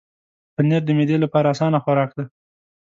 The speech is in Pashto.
پنېر د معدې لپاره اسانه خوراک دی.